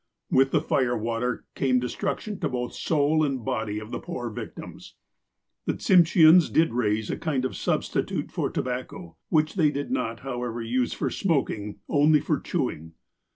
With the fire water came destruction to both soul and body of the poor victims. The Tsimsheans did raise a kind of substitute for to bacco, which they did not, however, use for smoking, only for chewing.